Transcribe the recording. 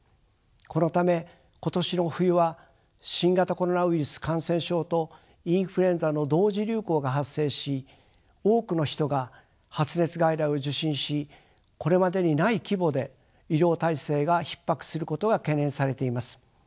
このため今年の冬は新型コロナウイルス感染症とインフルエンザの同時流行が発生し多くの人が発熱外来を受診しこれまでにない規模で医療体制がひっ迫することが懸念されています。